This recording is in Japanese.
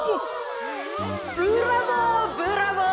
ブラボーブラボー。